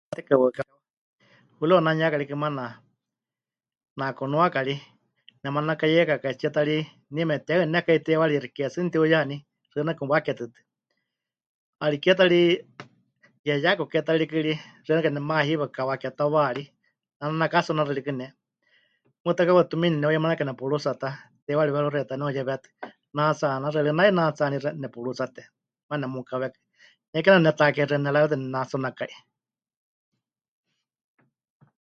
Hurawa ne'anuyaka rikɨ maana, ne'akunuaka ri, nemanakayeikakaitsie ta ri, nie memɨtehɨnekai teiwarixi ke tsɨ netiuyaní, xɨanakɨ mɨwake tɨtɨ, 'ariké ta ri, yeyaku ke ta rikɨ ri, xɨ́anakɨ nemahiiwa mɨkawake tawaarí, nenanakatsunáxɨ rikɨ ne, muuwa ta kauka tumiini neneuyemanakai nepuruutsa ta, teiwari weeruxieya ta ne'uyewétɨ, natsaanixɨ, nai natsaaníxɨa nepuruutsáte maana nemukáwekɨ, ne kename netakexɨani nera'eriwatɨ nenatsunákai.